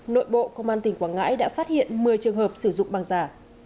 nội bộ công an tỉnh quảng ngãi đã phát hiện một mươi trường hợp sử dụng bằng giả